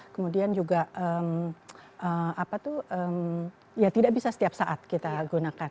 kemudian juga ya tidak bisa setiap saat kita gunakan